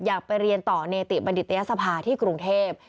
อยากไปเรียนต่อเนติบัณฑิตยศภาที่กรุงเทพ